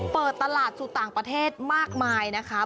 เปิดตลาดสู่ต่างประเทศมากมายนะคะ